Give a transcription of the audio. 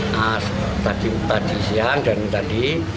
nah tadi siang dan tadi